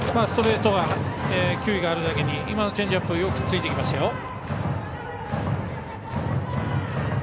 ストレートが球威があるだけに今のチェンジアップうまくついていきましたよ。